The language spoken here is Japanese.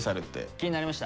気になりました？